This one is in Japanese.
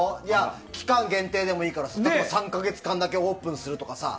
期間限定でもいいから３か月間だけオープンするとか。